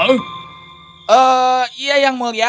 iya yang mulia